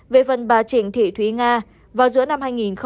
về phần bà trịnh thị thúy nga vào giữa năm hai nghìn một mươi bảy